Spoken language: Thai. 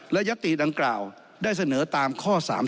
และยัตติดังกล่าวได้เสนอตามข้อ๓๓